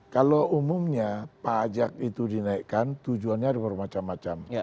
kalau umumnya pajak itu dinaikkan tujuannya ada berbagai macam macam